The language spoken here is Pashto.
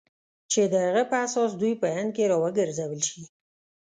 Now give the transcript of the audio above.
چې د هغه په اساس دوی په هند کې را وګرځول شي.